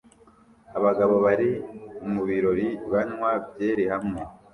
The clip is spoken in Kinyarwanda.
Abagabo bari mu birori banywa byeri hamwe